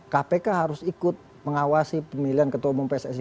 kpk harus ikut mengawasi pemilihan ketua umum pssi